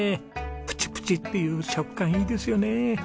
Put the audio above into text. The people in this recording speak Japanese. プチプチっていう食感いいですよね。